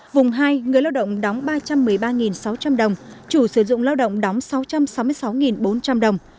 vùng hai người lao động đóng ba trăm một mươi ba sáu trăm linh đồng chủ sử dụng lao động đóng sáu trăm sáu mươi sáu bốn trăm linh đồng